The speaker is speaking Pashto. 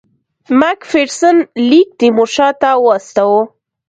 مک فیرسن لیک تیمورشاه ته واستاوه.